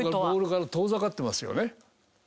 ボールから遠ざかってますよね。